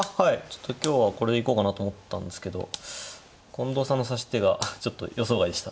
ちょっと今日はこれでいこうかなと思ったんですけど近藤さんの指し手がちょっと予想外でした。